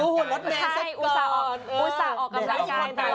เห็นข้างหลังฮุ่นเสียบ้าง